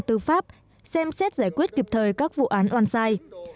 tư pháp xem xét giải quyết kịp thời các vụ án on site